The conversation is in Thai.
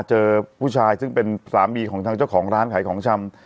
เจอผู้ชายซึ่งเป็นสามีของทางเจ้าของร้านขายของชำ